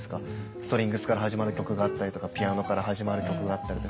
ストリングスから始まる曲があったりとかピアノから始まる曲があったりで。